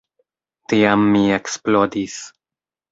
Tiam mi eksplodis.